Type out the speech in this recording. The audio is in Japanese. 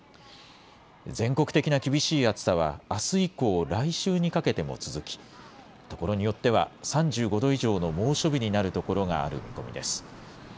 全国的な厳しい暑さは、あす以降、来週にかけても続き、ところによっては、３５度以上の猛暑日になる所がある見込みです。